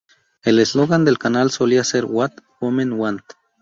El eslogan del canal solía ser What Women Want.